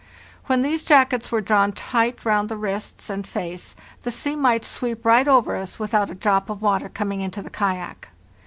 When these jackets were drawn tight round the wrists and face the sea might sweep right over us without a drop of water coming into the kayak.